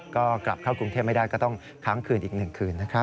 ก็กลับเข้ากรุงเทพไม่ได้ก็ต้องค้างคืนอีก๑คืนนะครับ